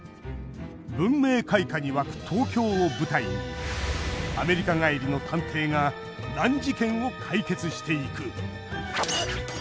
文明開化に沸く東京を舞台にアメリカ帰りの探偵が難事件を解決していく！